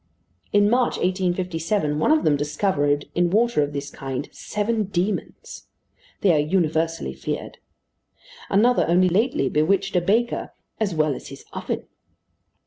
In March, 1857, one of them discovered, in water of this kind, seven demons. They are universally feared. Another only lately bewitched a baker "as well as his oven."